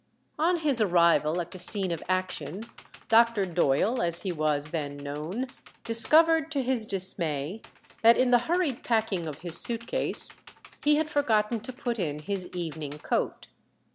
On his arrival at the scene of action Dr. Doyle, as he was then known, discovered to his dismay that in the hurried packing of his suitcase he had forgotten to put in his evening coat.